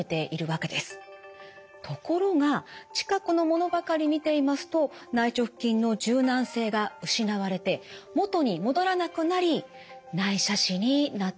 ところが近くの物ばかり見ていますと内直筋の柔軟性が失われて元に戻らなくなり内斜視になってしまうんです。